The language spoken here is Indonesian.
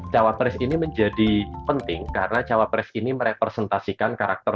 cawa pres ini menjadi penting karena cawa pres ini merepresentasikan karakter